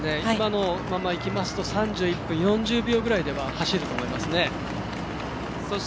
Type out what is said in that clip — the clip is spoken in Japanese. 今のままいきますと３１分４０秒ぐらいで走ると思いますね。